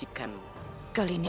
aku akan menang